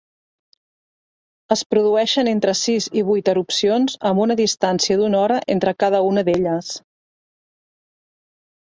Es produeixen entre sis i vuit erupcions amb una distància d'una hora entre cada una d'elles.